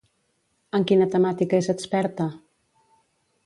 En quina temàtica és experta?